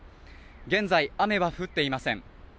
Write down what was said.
現在雨は降っていません